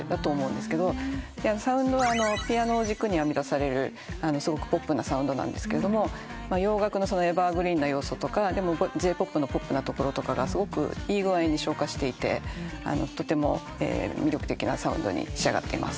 サウンドはピアノを軸に編み出されるすごくポップなサウンドなんですけど洋楽のエバーグリーンな要素とかＪ−ＰＯＰのポップなところとかがすごくいい具合に昇華していてとても魅力的なサウンドに仕上がってます。